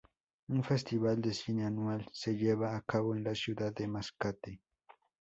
Un festival de cine anual se lleva a cabo en la ciudad de Mascate.